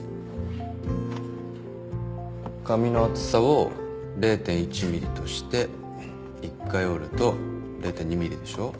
紙の厚さを０．１ｍｍとして１回折ると０．２ｍｍでしょ。